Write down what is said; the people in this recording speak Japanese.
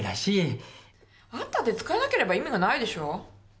あったって使えなければ意味がないでしょ！